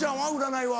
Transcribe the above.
占いは。